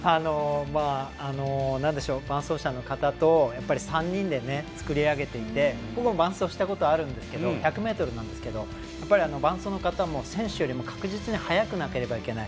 伴走者の方と３人で作り上げていて僕も伴走したことあるんですけど１００ｍなんですけど伴走の方も選手よりも確実に速くなければいけない。